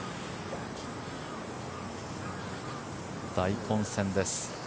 大混戦です。